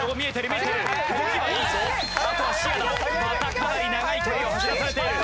またかなり長い距離を走らされている。